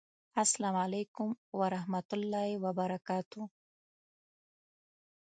السلام علیکم ورحمة الله وبرکاته